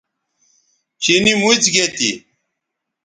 چینی موڅ گے تھی